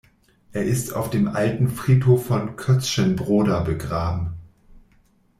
Er ist auf dem Alten Friedhof von Kötzschenbroda begraben.